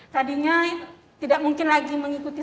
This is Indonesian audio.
tadinya tidak mungkin lagi mengikuti